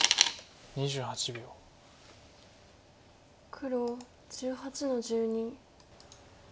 黒１８の十二。